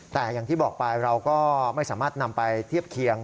แต่อย่างที่บอกไปเราก็ไม่สามารถนำไปเทียบเคียง